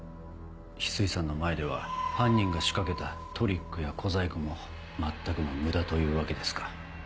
翡翠さんの前では犯人が仕掛けたトリックや小細工も全くの無駄というわけですか。